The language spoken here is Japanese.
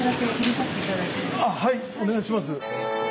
はいお願いします。